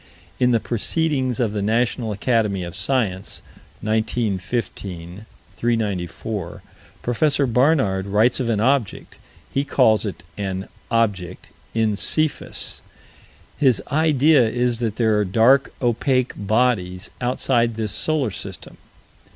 In the Proceedings of the National Academy of Science, 1915 394, Prof. Barnard writes of an object he calls it an "object" in Cephus. His idea is that there are dark, opaque bodies outside this solar system.